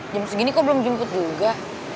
jam segini kok belum jemput juga